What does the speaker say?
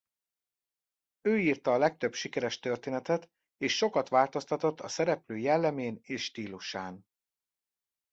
Ő írta a legtöbb sikeres történetet és sokat változtatott a szereplő jellemén és stílusán.